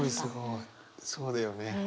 そうだよね。